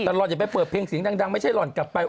แต่ห่อนอย่าไปเปิดเพลงเสียงดังไม่ใช่หล่อนกลับไป